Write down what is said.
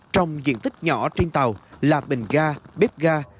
trong diện tích nhỏ trên tàu là bình ga bếp ga